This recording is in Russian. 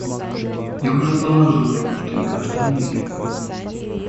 Я уже доложил вам, что ни во что не верю.